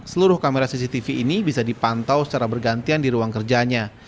seluruh kamera cctv ini bisa dipantau secara bergantian di ruang kerjanya